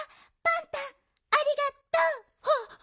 パンタありがとう！